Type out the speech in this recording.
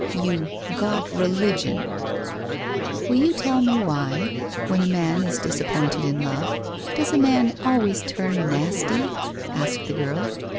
You " got religion !"'* Will you tell me why, when a man is disappointed in love, does a man always turn nasty?' asked the girl.